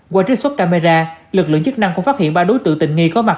qua trích xuất camera lực lượng chức năng cũng phát hiện ba đối tượng tình nghi có mặt